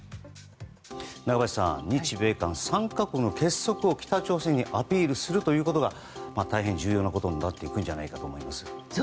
中林さん日米韓３か国の結束を北朝鮮にアピールするということが大変重要なことになっていくと思いますが。